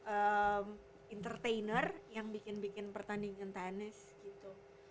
entertainer yang bikin bikin pertandingan tenis gitu